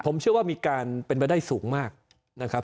ผมเชื่อว่ามีการเป็นไปได้สูงมากนะครับ